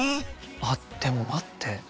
あっでも待って。